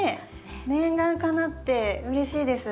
念願かなってうれしいです。